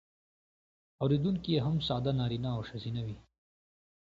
اوریدونکي یې هم ساده نارینه او ښځینه وي.